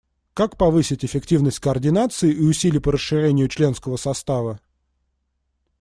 Как повысить эффективность координации и усилий по расширению членского состава?